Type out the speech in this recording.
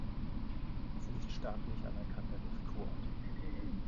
Sie ist staatlich anerkannter Luftkurort.